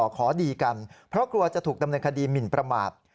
ขอดีกันเพราะกลัวจะถูกดำเนินคดีหมินประมาท